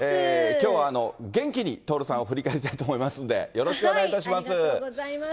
きょうは、元気に徹さんを振り返りたいと思いますんで、よろありがとうございます。